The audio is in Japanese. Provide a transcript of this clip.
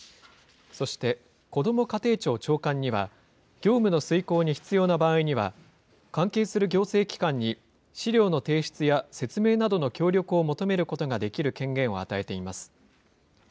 そして、こども家庭庁長官には、業務の遂行に必要な場合には、関係する行政機関に資料の提出や説明などの協力を求めることができる権限を与えています。